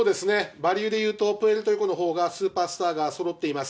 バリューでいうとプエルトリコのほうがスーパースターがそろってます。